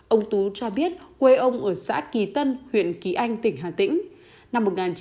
ông tú cho biết quê ông ở xã kỳ tân huyện kỳ anh tỉnh hà tĩnh